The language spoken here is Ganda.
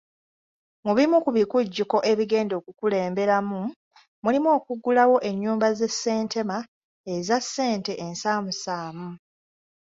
Mu bimu ku bikujjuko ebigenda okukulemberamu, mulimu okuggulawo ennyumba z’e Ssentema eza ssente ensaamusaamu.